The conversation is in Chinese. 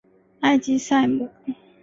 埃吉赛姆。